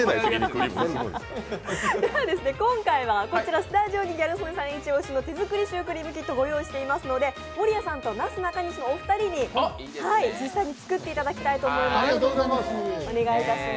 今回はスタジオにギャル曽根さんイチオシの手作りシュークリームキットご用意していますので、守屋さんと、なすなかにしのお二人に、実際に作っていただきたいと思います。